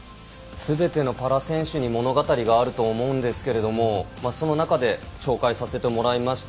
すべてのパラ選手に物語があると思うんですがその中で紹介させてもらいました。